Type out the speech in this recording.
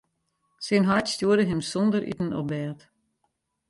Syn heit stjoerde him sonder iten op bêd.